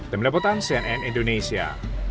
demi deputan cnn indonesia